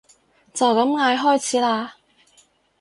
就咁嗌開始啦